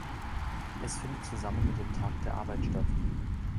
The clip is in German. Es findet zusammen mit dem Tag der Arbeit statt.